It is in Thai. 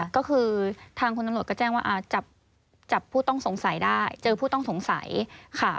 ก็คือทางคุณตำรวจก็แจ้งว่าจับผู้ต้องสงสัยได้เจอผู้ต้องสงสัยค่ะ